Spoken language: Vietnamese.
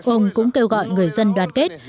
ông cũng kêu gọi người dân đoàn kết